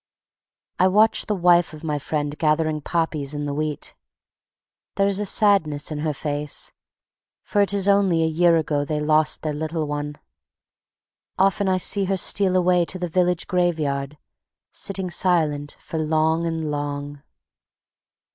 I watch the wife of my friend gathering poppies in the wheat. There is a sadness in her face, for it is only a year ago they lost their little one. Often I see her steal away to the village graveyard, sitting silent for long and long.